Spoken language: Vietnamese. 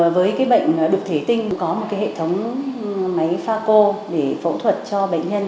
với bệnh đục thủy tinh có một hệ thống máy pha cô để phẫu thuật cho bệnh nhân